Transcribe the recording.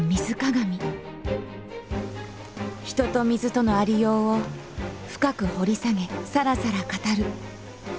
人と水とのありようを深く掘り下げさらさら語る。